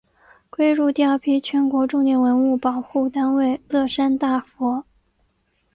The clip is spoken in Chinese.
归入第二批全国重点文物保护单位乐山大佛。